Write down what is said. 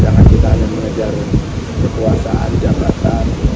jangan kita hanya mengejar kekuasaan jakarta